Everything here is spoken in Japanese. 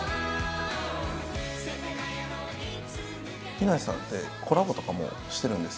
木梨さんってコラボとかもしてるんですか？